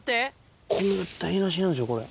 お米が台なしなんですよ、これ。